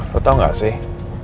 lo tau nggak sih